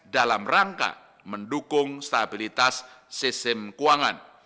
dalam rangka mendukung stabilitas sistem keuangan